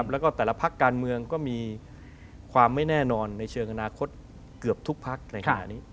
แล้วก็แต่ละพรรคการเมืองก็มีความไม่แน่นอนในเชือกนาคตเกือบทุกพรรค